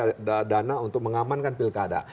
ada dana untuk mengamankan pilkada